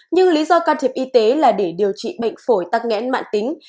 nhưng lý do can thiệp y tế là để điều trị bệnh phổi tắc nghẽn mạng tính